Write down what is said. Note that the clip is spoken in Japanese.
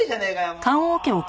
もう！